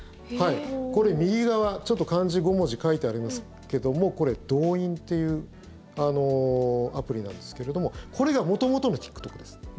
これ、右側漢字５文字書いてありますけどもこれ、ドーインというアプリなんですけれどもこれが元々のＴｉｋＴｏｋです。